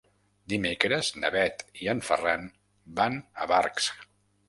Dimecres na Bet i en Ferran van a Barx.